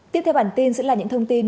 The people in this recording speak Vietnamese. tiếp theo bản tin sẽ là những thông tin